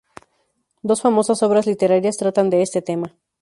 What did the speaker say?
Dos famosas obras literarias tratan de este tema.